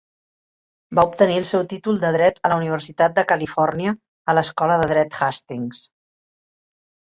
Va obtenir el seu títol de Dret a la Universitat de Califòrnia, a l'Escola de Dret Hastings.